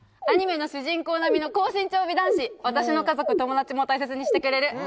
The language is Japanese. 「アニメの主人公並みの高身長美男子」「私の家族友達も大切にしてくれる！！」